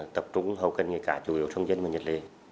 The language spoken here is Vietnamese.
tập trung hầu cân nghề cá chủ yếu trong dân và nhật lệ